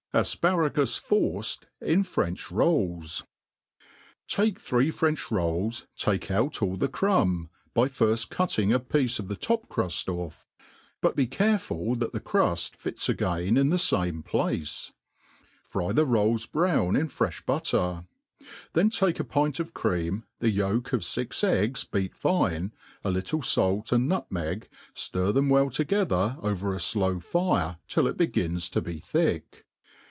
Afparagus forced in French Rolls. TAKE three French rolls, take out all the crumb, by firft cutting a piece of the top*cfuft off; but be careful that the cruil fits again the fame place. Fry the rolls brown in fr^fh butter ; then take a pint of cream, the yolk of fix eggs beat fine, a little fait and nutmeg, ftir them well together over a fljw fire till it begins to be thick.